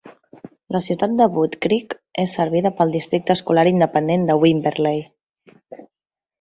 La ciutat de Woodcreek és servida pel districte escolar independent de Wimberley.